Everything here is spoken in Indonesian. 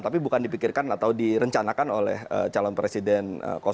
tapi bukan dipikirkan atau direncanakan oleh calon presiden